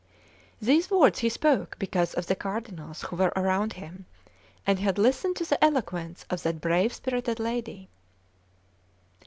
These words he spoke because of the cardinals who were around him, and had listened to the eloquence of that brave spirited lady.